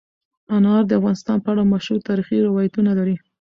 افغانستان د انار په اړه مشهور تاریخی روایتونه لري.